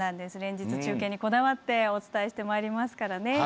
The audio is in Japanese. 連日、中継にこだわってお伝えしてまいりますからね。